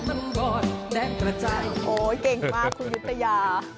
โอ้เก่งมากคุณยุติยา